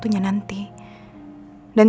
ya udah sedang